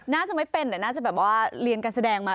น่าจะไม่เป็นแต่น่าจะแบบว่าเรียนการแสดงมา